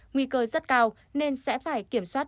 nguy cơ rất cao nên sẽ phải kiểm soát